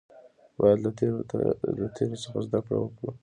باید له تیرو څخه زده کړه وکړو